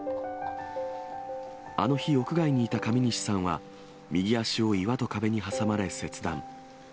あの日、屋外にいた上西さんは、右脚を岩と壁に挟まれ切断。